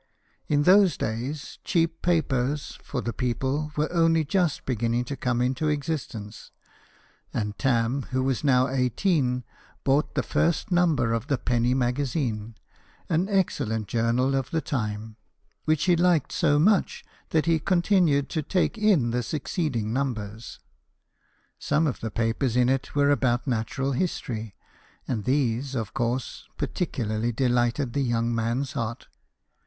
In those days, cheap papers for the people were only just beginning to come into existence ; and Tarn, who was now eighteen, bought the first number of the Penny Magazine, an excellent journal of that time, which/he liked so much that he continued to take in the succeeding numbers. Some of the papers in it were about natural history, and THOMAS EDWARD, SHOEMAKER. 173 these, of course, particularly delighted the young man's heart.